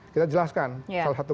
kita jelaskan salah satu